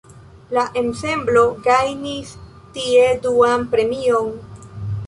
La ensemblo gajnis tie duan premion.